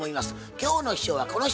今日の秘書はこの人。